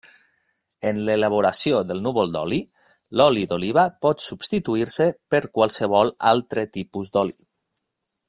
En l’elaboració del núvol d’oli, l’oli d’oliva pot substituir-se per qualsevol altre tipus d’oli.